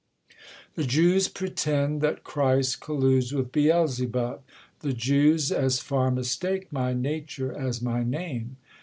The Jews pretend That Christ colludes with Beelzebub ; the Jews As far mistake my nature as my name.